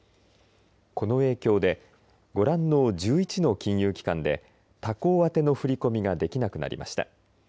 この影響でご覧の１１の金融機関で他行宛ての振り込みができなくなりました。